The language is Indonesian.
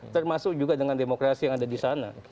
termasuk juga dengan demokrasi yang ada di sana